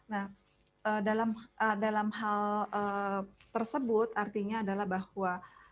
nah dalam hal tersebut artinya adalah bahwa